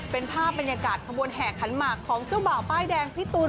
เป็นภาพบรรยากาศขบวนแห่ขันหมากของเจ้าบ่าวป้ายแดงพี่ตูน